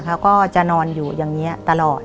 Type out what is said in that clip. เขาก็จะนอนอยู่อย่างนี้ตลอด